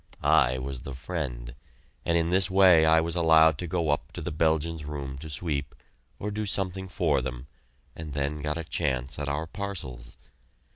I was the friend, and in this way I was allowed to go up to the Belgians' room to sweep, or do something for them, and then got a chance at our parcels.